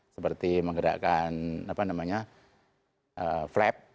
seperti menggerakkan apa namanya flap